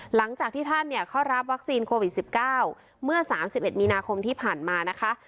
หลังจากที่ท่านเข้ารับวัคซีนโควิด๑๙เมื่อ๓๑มีนาคมที่ผ่านมานะคะ